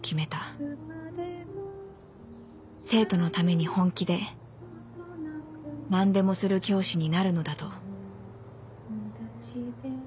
絶えることなく生徒のために本気で何でもする教師になるのだと